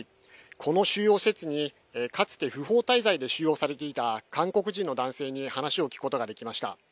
この収容施設にかつて不法滞在で収容されていた韓国人の男性に話を聞くことができました。